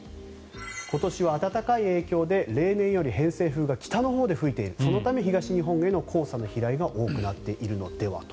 今年は暖かい影響で例年より偏西風が北のほうで吹いているそのため東日本への黄砂の飛来が多くなっているのではと。